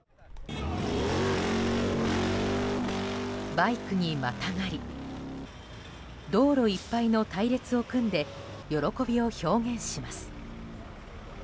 バイクにまたがり道路いっぱいの隊列を組んで喜びを表現します。